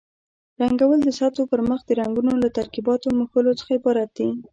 رنګول د سطحو پرمخ د رنګونو له ترکیباتو مښلو څخه عبارت دي.